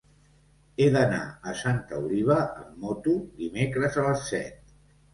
He d'anar a Santa Oliva amb moto dimecres a les set.